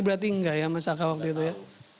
berarti enggak ya mas saka waktu itu ya